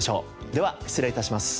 では失礼致します。